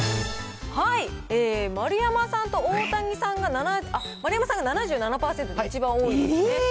丸山さんと大谷さんが、丸山さんが７７％と一番多いですね。